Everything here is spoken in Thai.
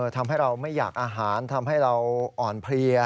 ทำให้เราไม่อยากอาหารทำให้เราอ่อนเพลีย